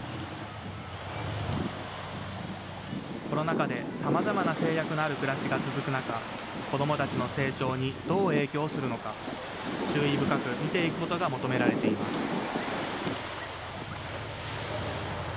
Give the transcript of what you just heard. コロナ禍でさまざまな制約のある暮らしが続く中、子どもたちの成長にどう影響するのか、注意深く見ていくことが求められています。